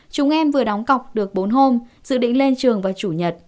chúng em vừa đóng cọc được bốn hôm dự định lên trường vào chủ nhật